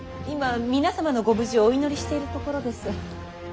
今皆様のご無事をお祈りしているところです。